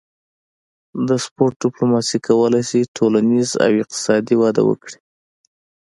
د سپورت ډیپلوماسي کولی شي ټولنیز او اقتصادي وده وکړي